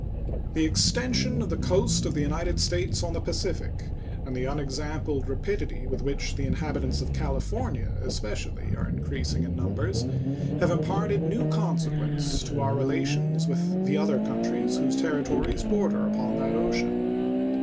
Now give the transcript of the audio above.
The extension of the coast of the United States on the Pacific and the unexampled rapidity with which the inhabitants of California especially are increasing in numbers have imparted new consequence to our relations with the other countries whose territories border upon that ocean.